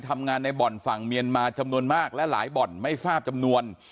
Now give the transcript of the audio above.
ทำงานในบ่อนฝั่งเมียนมาจำนวนมากและหลายบ่อนไม่ทราบจำนวน